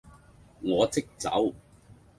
我即走